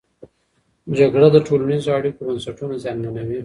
جګړه د ټولنیزو اړیکو بنسټونه زیانمنوي.